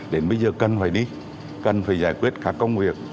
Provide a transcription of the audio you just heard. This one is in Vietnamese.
đến bây giờ cần phải đi cần phải giải quyết các công việc